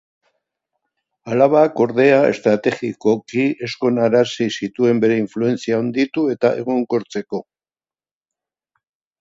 Alabak ordea estrategikoki ezkonarazi zituen bere influentzia handitu eta egonkortzeko.